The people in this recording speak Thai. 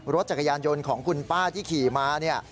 รถจักรยานยนต์ของคุณป้าที่ขี่มาเนี่ย